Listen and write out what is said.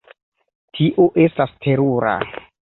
Tio estas terura!